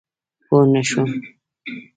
پوی نه شوم.